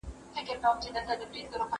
تاسو د کوم شرکت لپاره کار کوئ؟